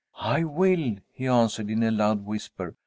"I will," he answered, in a loud whisper.